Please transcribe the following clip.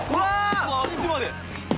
あっちまで！